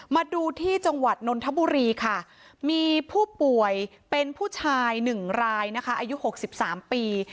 มาดูที่จังหวัดนนทบุรีค่ะมีผู้ป่วยเป็นผู้ชาย๑รายนะคะอายุ๖๓ปี